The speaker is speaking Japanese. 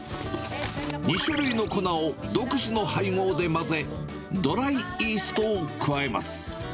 ２種類の粉を独自の配合で混ぜ、ドライイーストを加えます。